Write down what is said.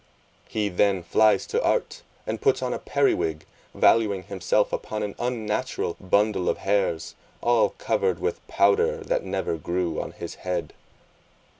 He then flies to art, and puts on a periwig, valuing himself upon an unnatural bundle of hairs, all covered with powder, that never grew on his head.